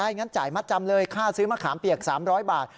งั้นจ่ายมัดจำเลยค่าซื้อมะขามเปียก๓๐๐บาท